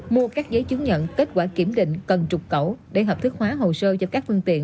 mua các giấy chứng nhận kết quả kiểm định cần trục cẩu để hợp thức hóa hồ sơ cho các phương tiện